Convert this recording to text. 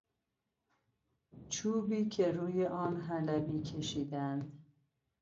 چوبی که روی آن حلبی کشیدهاند